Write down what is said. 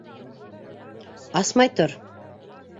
Асмай тор.